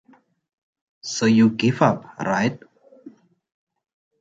So you give up, right?